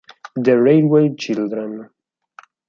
The Railway Children